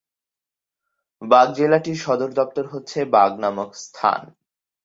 Bug জেলাটির সদর দপ্তর হচ্ছে বাগ নামক স্থান।